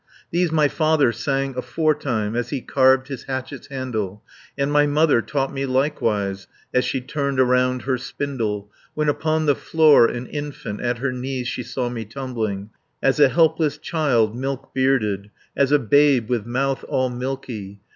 These my father sang aforetime, As he carved his hatchet's handle, And my mother taught me likewise, As she turned around her spindle, When upon the floor, an infant, At her knees she saw me tumbling, 40 As a helpless child, milk bearded, As a babe with mouth all milky.